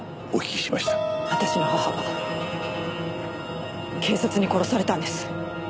私の母は警察に殺されたんです。